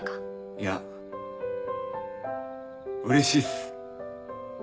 いやうれしいっす。